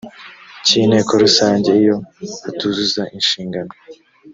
cy inteko rusange iyo atuzuza inshingano